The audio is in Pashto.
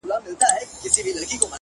مهرباني د زړونو ترمنځ اعتماد جوړوي